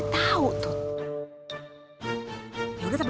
kau satu satunya ya